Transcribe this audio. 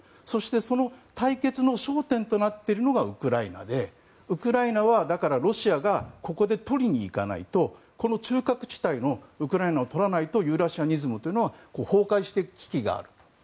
そしてその対決の焦点となっているのがウクライナでウクライナはロシアがここで取りにいかないとこの中核地帯のウクライナを取らないとユーラシアニズムというのは崩壊していく危機がある。